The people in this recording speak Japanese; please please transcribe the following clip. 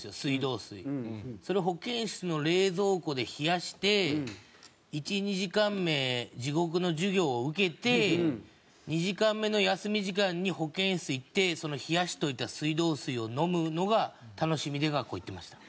それを保健室の冷蔵庫で冷やして１２時間目地獄の授業を受けて２時間目の休み時間に保健室行ってその冷やしておいた水道水を飲むのが楽しみで学校行ってました。